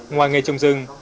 ngoài nghề trồng rừng